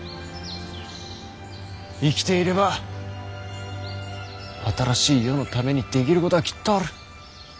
生きていれば新しい世のためにできることはきっとある。